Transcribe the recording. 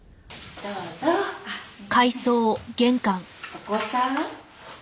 お子さん？